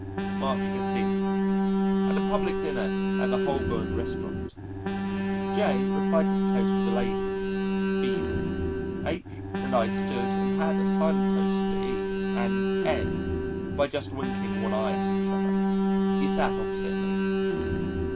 March 15. [At a public dinner at the Holborn Restaurant] J replied to the toast of the Ladies. Feeble! H and I stood and had a silent toast to E and N by just winking one eye at each other. He sat opposite me.